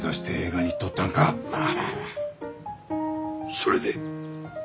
それで？